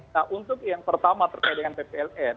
nah untuk yang pertama terkait dengan ppln